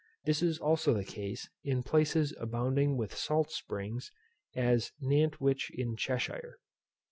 This is also the case in places abounding with salt springs, as Nantwich in Cheshire.